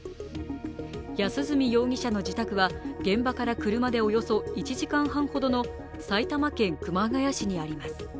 安栖容疑者の自宅は現場から車でおよそ１時間半ほどの埼玉県熊谷市にあります。